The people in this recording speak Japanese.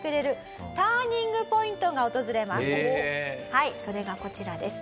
はいそれがこちらです。